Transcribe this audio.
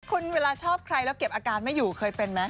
คุณเวลาชอบใครแล้วเก็บอาการไม่อยู่เคยเป็นไหม